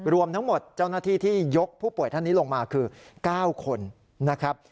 รวมทั้งหมดเจ้าหน้าที่ที่ยกผู้ป่วยท่านนี้ลงมาคือ๙คนนะครับ